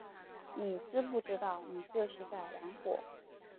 你知不知道你这是在玩火